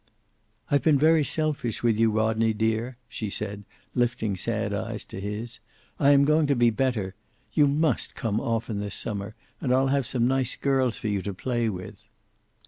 "I've been very selfish with you, Rodney, dear," she said, lifting sad eyes to his. "I am going to be better. You must come often this summer, and I'll have some nice girls for you to play with."